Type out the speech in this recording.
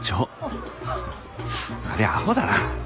ありゃアホだな。